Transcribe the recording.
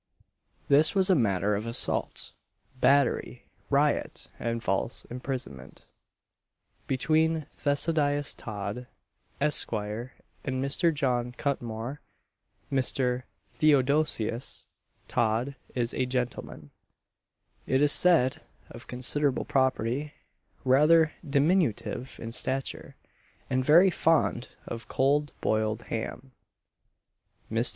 This was a matter of assault, battery, riot, and false imprisonment, between Theodosius Todd, Esq. and Mr. John Cutmore. Mr. Theodosius Todd is a gentleman, it is said, of considerable property; rather diminutive in stature, and very fond of cold boiled ham. Mr.